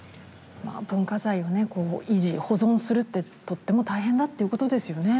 文化財を維持保存するってとっても大変だということですよね。